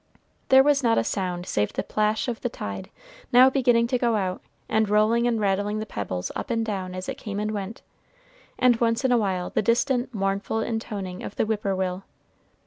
There was not a sound save the plash of the tide, now beginning to go out, and rolling and rattling the pebbles up and down as it came and went, and once in a while the distant, mournful intoning of the whippoorwill.